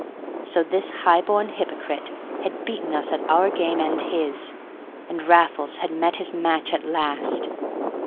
So this high born hypocrite had beaten us at our game and his, and Raffles had met his match at last!